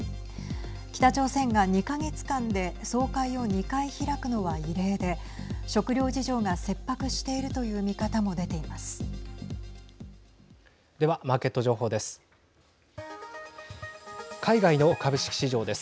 北朝鮮が２か月間で総会を２回開くのは異例で食料事情が切迫しているという見方も出ています。